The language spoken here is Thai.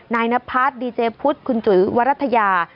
นายนพัทดีเจพุทธคุณจุวรัฐยา